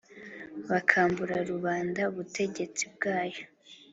bakambura rubanda ubutegetsi bwayo